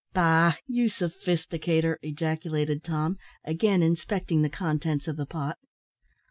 "Bah! you sophisticator," ejaculated Tom, again inspecting the contents of the pot.